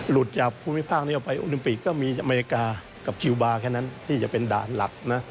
จากภูมิภาคนี้ออกไปโอลิมปิกก็มีอเมริกากับคิวบาร์แค่นั้นที่จะเป็นด่านหลักนะ